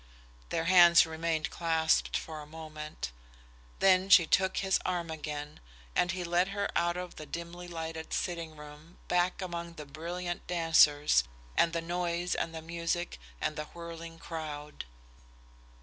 Their hands remained clasped for a moment; then she took his arm again, and he led her out of the dimly lighted sitting room back among the brilliant dancers and the noise and the music and the whirling crowd.